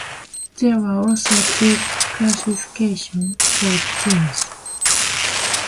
There were also two classifications for teams.